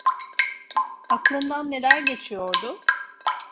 Aklından neler geçiyordu?